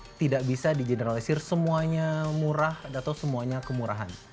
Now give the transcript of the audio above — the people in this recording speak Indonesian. jadi kalau tidak bisa di generalisir semuanya murah atau semuanya kemurahan